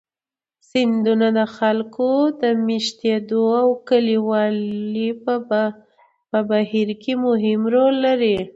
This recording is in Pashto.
سیندونه د خلکو د مېشتېدو او کډوالۍ په بهیر کې مهم رول لري.